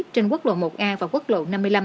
trên quốc lộ một a và quốc lộ năm mươi năm